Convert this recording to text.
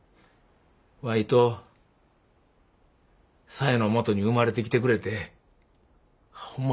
わいとサエのもとに生まれてきてくれてほんま